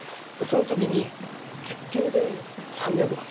その時に月給で３００万。